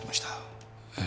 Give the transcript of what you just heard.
え？